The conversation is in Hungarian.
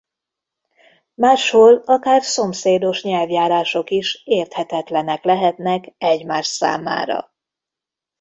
Máshol akár szomszédos nyelvjárások is érthetetlenek lehetnek egymás számára.